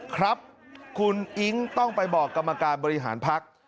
ครับคุณอิ๊งต้องไปบอกกรรมการบริหารพัก